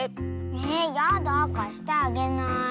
えやだかしてあげない。